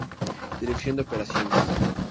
Dirección de Operaciones.